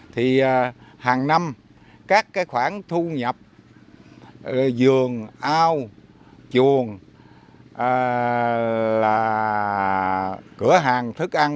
thì hàng năm các khoản thu nhập vườn ao chuồng cửa hàng thức ăn